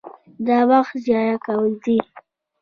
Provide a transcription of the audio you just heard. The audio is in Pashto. دا وخت ضایع کول دي.